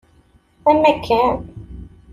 Am akken!